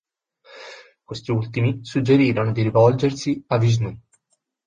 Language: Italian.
Questi ultimi suggerirono di rivolgersi a Vishnu.